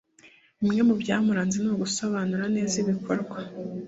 Bimwe mu byamuranze ni ugusobanura neza ibikorwa